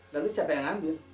lalu siapa yang ambil